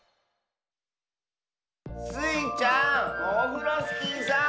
スイちゃんオフロスキーさん。